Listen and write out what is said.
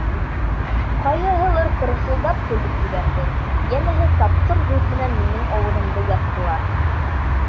Ҡайһыһылыр пырхылдап көлөп ебәрҙе, йәнәһе, тапҡыр һүҙ менән минең ауыҙымды яптылар.